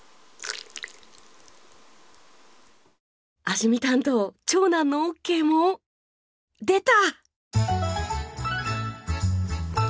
味見担当長男のオッケーも出た！